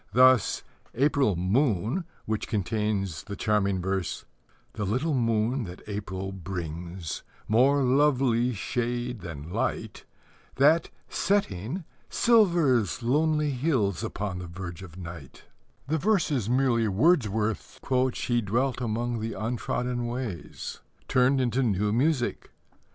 Thus, April Moon, which contains the charming verse "The little moon that April brings, More lovely shade than light, That, setting, silvers lonely hills Upon the verge of night" is merely Wordsworth's "She dwelt among the untrodden ways" turned into new music.